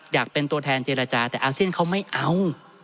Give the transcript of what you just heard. อยากเป็นตัวแทนเจรจาแต่อาเซียนเขาไม่เอา